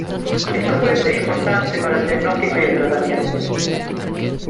Esto puede ser importante para el diagnóstico y el tratamiento.